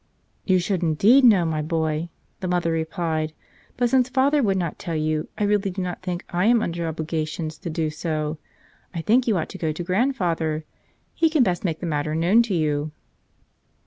"You should indeed know, my boy," the mother re¬ plied. "But since father would not tell you, I really do 116 The Great Secret not think I am under obligations to do so. I think you ought to go to grandfather; he can best make the matter known to you."